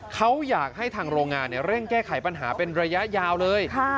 เขาอยากให้ทางโรงงานเร่งแก้ไขปัญหาเป็นระยะยาวเลย